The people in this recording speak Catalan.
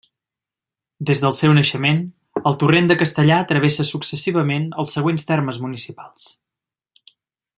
Des del seu naixement, el Torrent de Castellar travessa successivament els següents termes municipals.